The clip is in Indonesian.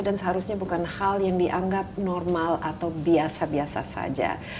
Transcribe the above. dan seharusnya bukan hal yang dianggap normal atau biasa biasa saja